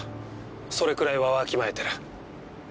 それくらいはわきまえてる。